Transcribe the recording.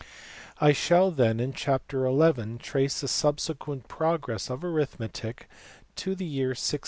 I shall then, in chapter XL, trace the subsequent progress of arithmetic to the year 1637.